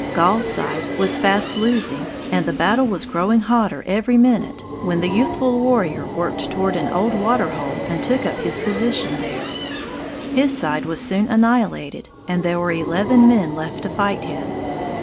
Gall's side was fast losing, and the battle was growing hotter every minute when the youthful warrior worked toward an old water hole and took up his position there. His side was soon annihilated and there were eleven men left to fight him.